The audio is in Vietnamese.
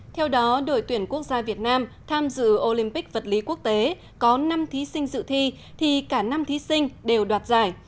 theo đó đội tuyển quốc gia việt nam tham dự olympic vật lý quốc tế có năm thí sinh dự thi thì cả năm thí sinh đều đoạt giải